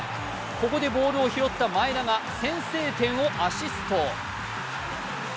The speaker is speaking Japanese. ここでボールを拾った前田が先制点をアシスト。